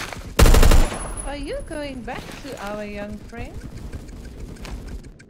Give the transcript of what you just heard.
Are you going back to our young friend?